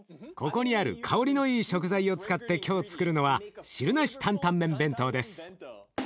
ここにある香りのいい食材を使って今日つくるのは汁なしタンタン麺弁当です。